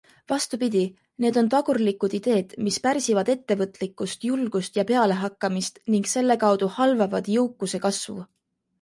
Vastupidi, need on tagurlikud ideed, mis pärsivad ettevõtlikkust, julgust ja pealehakkamist ning selle kaudu halvavad jõukuse kasvu.